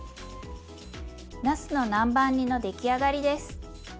なすの南蛮煮の出来上がりです。